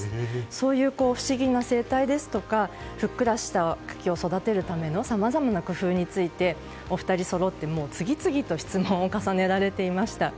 そういう不思議な生態ですとかふっくらしたカキを育てるためのさまざまな工夫についてお二人そろって次々と質問を重ねられていました。